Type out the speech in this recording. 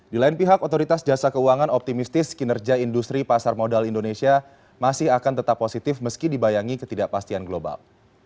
di lain pihak otoritas jasa keuangan optimistis kinerja industri pasar modal indonesia masih akan tetap positif meski dibayangi ketidakpastian global